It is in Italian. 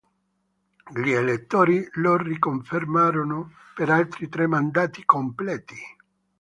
Gli elettori lo riconfermarono per altri tre mandati completi.